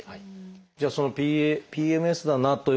じゃあそのＰＭＳだなということになった。